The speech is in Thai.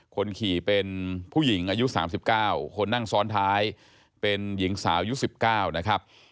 คนขี่เป็นผู้หญิงอายุ๓๙คนนั่งซ้อนท้ายเป็นหญิงสาวยุค๑๙นะครับ